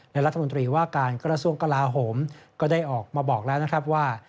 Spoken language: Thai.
ในรัฐมนตรีว่าการกรสวงศ์กระลาฮมก็ได้ออกมาบอกแล้วนะครับว่า